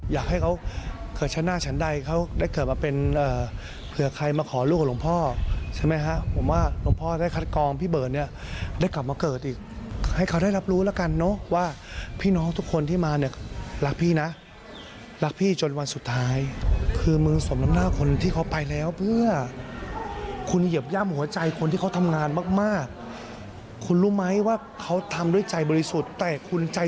อยากให้เขาเกิดชั้นหน้าชั้นใดเขาได้เกิดมาเป็นเผื่อใครมาขอลูกกับหลวงพ่อใช่ไหมฮะผมว่าหลวงพ่อได้คัดกองพี่เบิร์ตเนี่ยได้กลับมาเกิดอีกให้เขาได้รับรู้แล้วกันเนอะว่าพี่น้องทุกคนที่มาเนี่ยรักพี่นะรักพี่จนวันสุดท้ายคือมึงสมน้ำหน้าคนที่เขาไปแล้วเพื่อคุณเหยียบย่ำหัวใจคนที่เขาทำงานมากคุณรู้ไหมว่าเขาทำด้วยใจบริสุทธิ์แต่คุณใจ